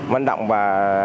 mạnh động và